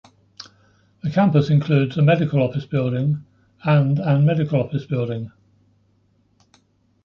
The campus includes a medical office building, and an medical office building.